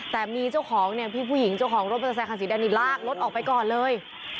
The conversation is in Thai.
แต่มีเจ้าของเนี่ยพี่ผู้หญิงเจ้าของรถประสาทขันศรีดานิดลากรถออกไปก่อนเลย